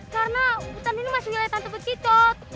karena hutan ini masih liat tante mbak kijot